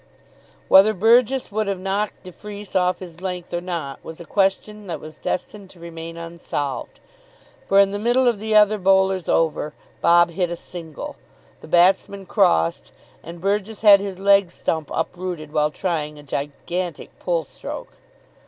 Whether Burgess would have knocked de Freece off his length or not was a question that was destined to remain unsolved, for in the middle of the other bowler's over Bob hit a single; the batsmen crossed; and Burgess had his leg stump uprooted while trying a gigantic pull stroke.